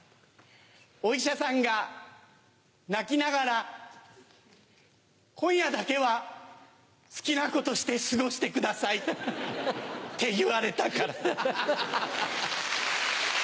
お医者さんが泣きながら「今夜だけは好きなことして過ごしてください」って言われたから。